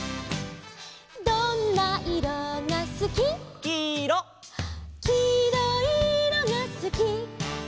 「どんないろがすき」「」「きいろいいろがすき」